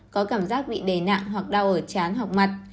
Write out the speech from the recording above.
có cảm giác bị đầy nặng hoặc đau ở chán hoặc mặt